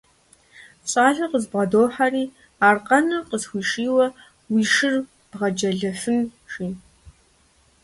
Щӏалэр къызбгъэдохьэри, аркъэныр къысхуишийуэрэ, уи шыр бгъэджэлэфын, жи.